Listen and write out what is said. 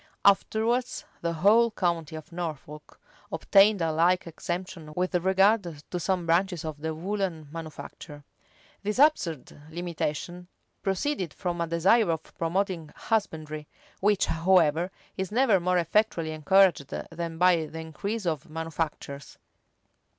[] Afterwards the whole county of Norfolk obtained a like exemption with regard to some branches of the woollen manufacture.[] These absurd limitations proceeded from a desire of promoting husbandry, which, however, is never more effectually encouraged than by the increase of manufactures.